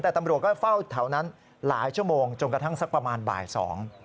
แต่ตำรวจก็เฝ้าแถวนั้นหลายชั่วโมงจนกระทั่งสักประมาณบ่ายสอง